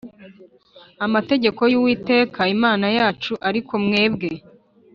amategeko y Uwiteka Imana yacu ariko mwebwe